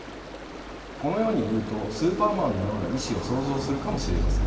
このように言うとスーパーマンのような医師を想像するかもしれません。